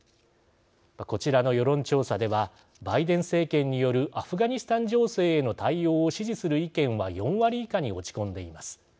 こちらの世論調査ではバイデン政権によるアフガニスタン情勢への対応を支持する意見は４割以下に落ち込んでいます。